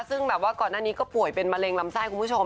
ซึ่งแบบว่าก่อนหน้านี้ก็ป่วยเป็นมะเร็งลำไส้คุณผู้ชม